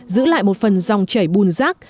giữ lại một phần dòng chảy bùn rác